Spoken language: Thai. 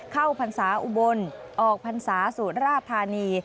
พรรษาอุบลออกพรรษาสุราธานี